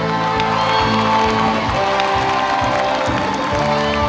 อ๋อมแอมครับ